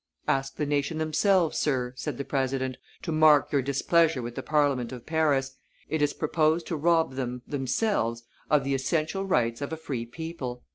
"Ask the nation themselves, sir," said the president, "to mark your displeasure with the Parliament of Paris, it is proposed to rob them themselves of the essential rights of a free people."